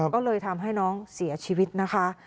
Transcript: ก็เลยทำให้น้องเสียชีวิตนะคะ